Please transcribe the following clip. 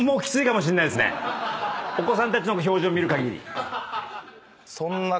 お子さんたちの表情見るかぎり。